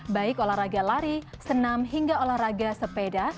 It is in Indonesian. baik olahraga lari senam hingga olahraga sepeda